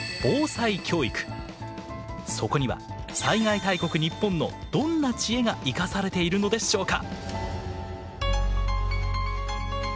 そこには災害大国日本のどんな知恵が生かされているのでしょうか？